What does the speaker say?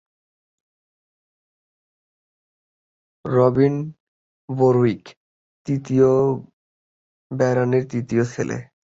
Robin Borwick, তৃতীয় ব্যারনের তৃতীয় ছেলে।